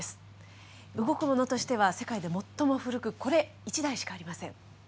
動くものとしては世界で最も古くこれ１台しかありません。